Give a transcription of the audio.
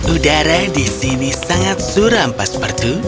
udara di sini sangat suram pastor patu